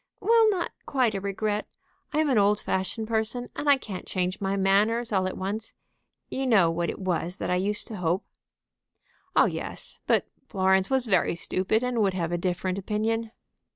"Well, not quite a regret. I am an old fashioned person, and I can't change my manners all at once. You know what it was that I used to hope." "Oh yes. But Florence was very stupid, and would have a different opinion."